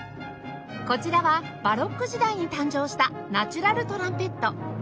こちらはバロック時代に誕生したナチュラルトランペット